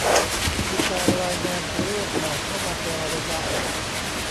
มีการรายงานตัวเลขใหม่เข้ามาเป็นระยะ